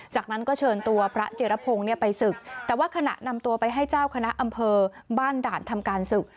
จากนั้นก็เชิญตัวพระเจรพงศ์ไปศึกแต่ว่าขณะนำตัวไปให้เจ้าคณะอำเภอบ้านด่านทำการศึก